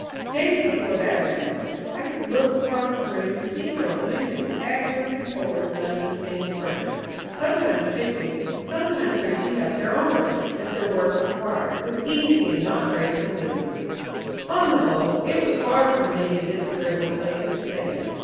Standing before that window, I could look across the room and see girls moving backwards and forwards among the spinning frames, sometimes stooping, sometimes reaching up their arms, as their work required, with easy and not ungraceful movements. On the whole, it was far from being a disagreeable place to stay in.